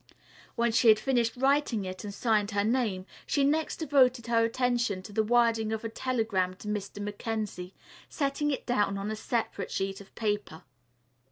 When she had finished writing it and signed her name, she next devoted her attention to the wording of a telegram to Mr. Mackenzie, setting it down on a separate sheet of paper.